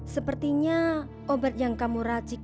sepertinya obat yang kamu racik